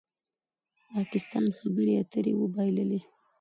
پاکستان خبرې اترې وبایللې